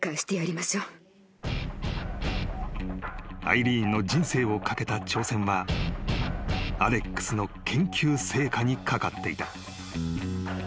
［アイリーンの人生を懸けた挑戦はアレックスの研究成果にかかっていた］